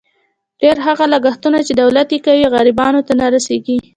ډېر هغه لګښتونه، چې دولت یې کوي، غریبانو ته نه رسېږي.